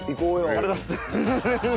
ありがとうございます。